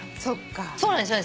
そっか。